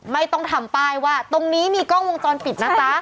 ไม่ต้องทำป้ายว่าตรงนี้มีกล้องวงจรปิดนะจ๊ะ